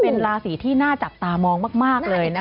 เป็นราศีที่น่าจับตามองมากเลยนะคะ